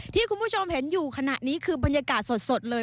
ที่คุณผู้ชมเห็นอยู่ขณะนี้คือบรรยากาศสดเลย